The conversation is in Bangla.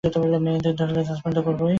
মেয়রকে মারলে সাসপেন্ড তো করবেই!